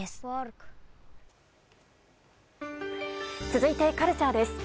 続いて、カルチャーです。